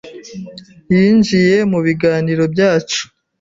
yinjiye mubiganiro byacu.